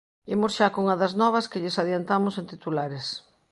Imos xa cunha das novas que lles adiantamos en titulares.